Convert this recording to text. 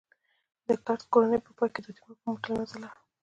د کرت کورنۍ په پای کې د تیمور په مټ له منځه لاړه.